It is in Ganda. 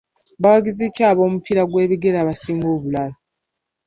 Bawagizi ki ab'omupiira gw'ebigere abasinga obulalu?